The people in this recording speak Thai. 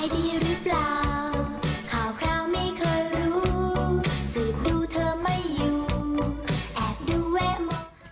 ดูเธอไม่อยู่แอบดูแวะมอบ